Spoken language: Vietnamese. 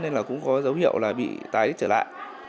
nên là cũng có dấu hiệu là bị tái trở lại